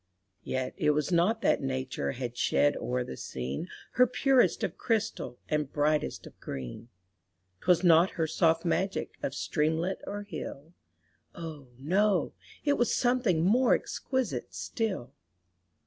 Yet it was not that nature had shed o'er the scene Her purest of crystal and brightest of green; 'Twas not her soft magic of streamlet or hill, Oh! no, it was something more exquisite still.